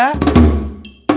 baking kebelakang cowok